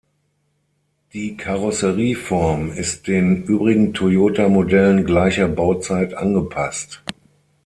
Die Karosserieform ist den übrigen Toyota-Modellen gleicher Bauzeit angepasst.